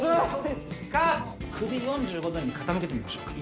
首４５度に傾けてみましょうか。